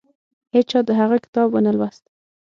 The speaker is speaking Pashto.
هیچا د هغه کتاب ونه لوست.